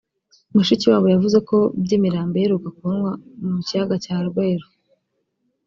Mushikiwabo yavuze ko by’imirambo iheruka kubonwa mu kiyaga cya Rweru